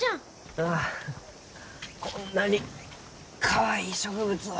ああこんなにかわいい植物を。